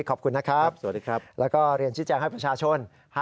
ขอบคุณนะครับแล้วก็เรียนชิดแจ้งให้ประชาชนสวัสดีครับ